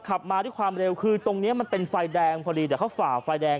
ขับมาด้วยความเร็วคือตรงนี้มันเป็นไฟแดงพอดีแต่เขาฝ่าไฟแดง